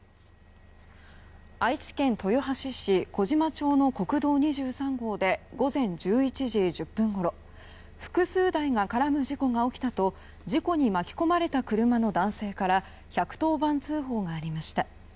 愛知県豊橋市小島町の国道２３号で午前１１時１０分ごろ複数台が絡む事故が起きたと事故に巻き込まれた車の男性から１１０番通報がありました。